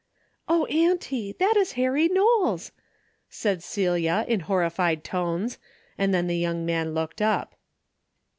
''" Oh, auntie, that is Harry Knowles," said Gelia, in horrified tones, and then the young man looked up.